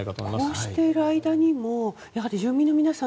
こうしている間にもやはり住民の皆さん